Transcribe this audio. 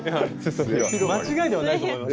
間違いではないと思いますけど。